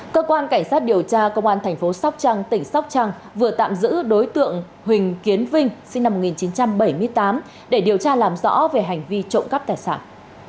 cơ quan cảnh sát điều tra công an thành phố sóc trăng tỉnh sóc trăng vừa tạm giữ đối tượng huỳnh kiến vinh sinh năm một nghìn chín trăm bảy mươi tám để điều tra làm rõ về hành vi trộm cắp tài sản